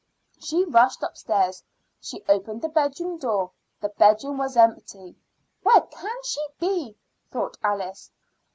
She rushed upstairs. She opened the bedroom door. The bedroom was empty. "Where can she be?" thought Alice.